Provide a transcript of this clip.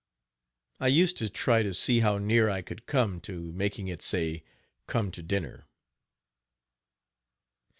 I used to try to see how near I could come to making it say, come to dinner.